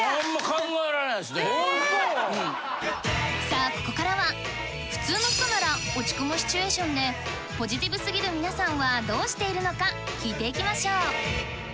さあここからは普通の人なら落ち込むシチュエーションでポジティブすぎる皆さんはどうしているのか聞いていきましょう！